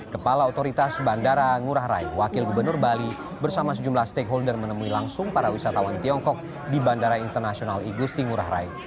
kepala otoritas bandara ngurah rai wakil gubernur bali bersama sejumlah stakeholder menemui langsung para wisatawan tiongkok di bandara internasional igusti ngurah rai